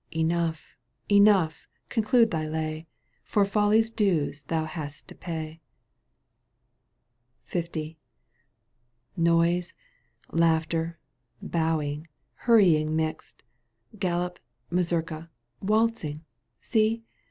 Enough, enough, conclude thy lay — For folly's dues thou hadst to pay. Noise, laughter, bowing, hurrying mixt^ GaHop, mazurka, waltzing — see